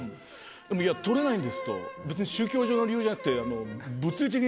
でも「いや取れないんです」と「別に宗教上の理由じゃなくて」。